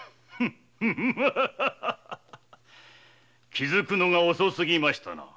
気づくのが遅すぎましたな。